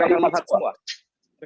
ini mereka lihat semua